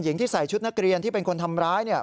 ที่ใส่ชุดนักเรียนที่เป็นคนทำร้ายเนี่ย